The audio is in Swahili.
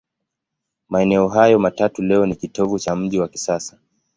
Maeneo hayo matatu leo ni kitovu cha mji wa kisasa.